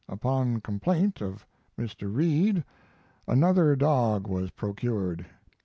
Upon complaint of Mr. Reed another dog was procured.